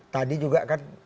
tadi juga kan